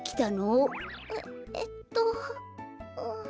ええっとうう。